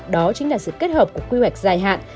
đó chính là sự kết hợp của quy hoạch dài hạn